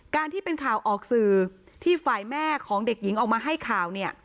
ที่เป็นข่าวออกสื่อที่ฝ่ายแม่ของเด็กหญิงออกมาให้ข่าวเนี่ย